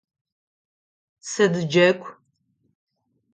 Сыд джэгу?